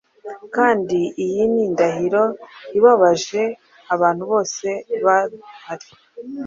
Kandi iyi ni indahiro ibabaje abantubose bahari